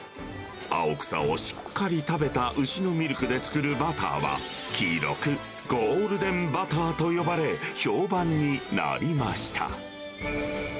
青草をしっかり食べた牛のミルクで作るバターは、黄色く、ゴールデンバターと呼ばれ、評判になりました。